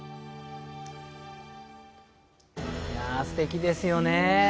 すてきですよね。